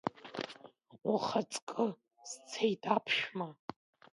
Ухаҵкы сцеит, аԥшәма!